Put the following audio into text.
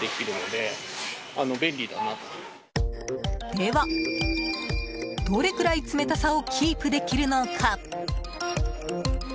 では、どれくらい冷たさをキープできるのか。